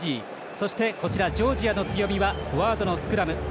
そして、ジョージアの強みはフォワードのスクラム。